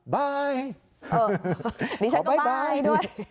บ๊ายขอบ๊ายบายด้วย